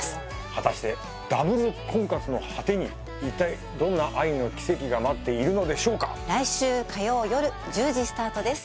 果たしてダブル婚活の果てに一体どんな愛の奇跡が待っているのでしょうか来週火曜夜１０時スタートです